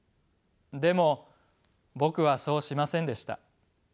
でも僕はそうしませんでした。